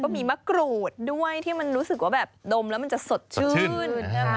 มีมะกรูดด้วยที่มันรู้สึกว่าแบบดมแล้วมันจะสดชื่นนะคะ